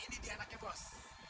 ini dia anaknya bos